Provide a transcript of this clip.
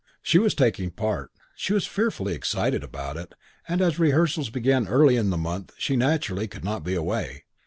She was taking part, she was fearfully excited about it, and as rehearsals began early in the month she naturally could not be away.